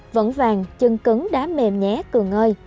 vẫn vàng chân cứng đá mềm nhé cường ơi